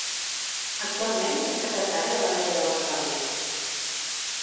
Actualment és secretari de la mesa del parlament.